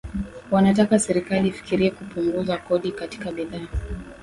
Wanataka serikali ifikirie kupunguza kodi katika bidhaa